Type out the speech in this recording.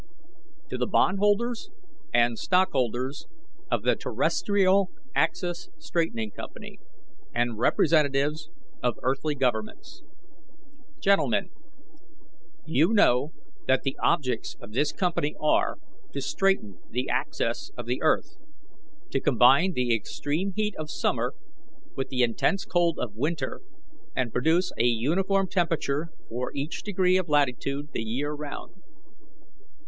"To the Bondholders and Stockholders of the Terrestrial Axis Straightening Company and Representatives of Earthly Governments. "GENTLEMEN: You know that the objects of this company are, to straighten the axis of the earth, to combine the extreme heat of summer with the intense cold of winter and produce a uniform temperature for each degree of latitude the year round.